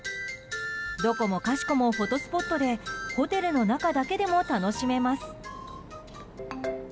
どこもかしこもフォトスポットでホテルの中だけでも楽しめます。